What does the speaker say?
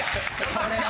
これは。